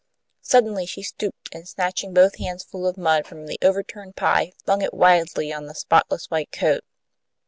Suddenly she stooped, and snatching both hands full of mud from the overturned pie, flung it wildly over the spotless white coat.